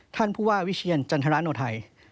ท่านผู้ว่าวิเชียรจันทราโนไทย